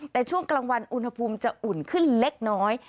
แต่ช่วงกลางวันอุณหภูมิจะอุ่นขึ้นเล็กน้อย